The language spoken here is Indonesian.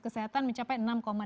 kesehatan mencapai enam delapan